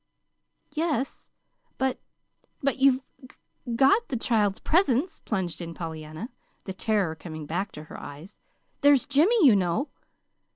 "Yes; b but you've g got the child's presence," plunged in Pollyanna, the terror coming back to her eyes. "There's Jimmy, you know."